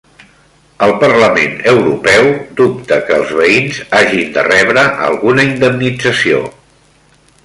El Parlament Europeu dubta que els veïns hagin de rebre alguna indemnització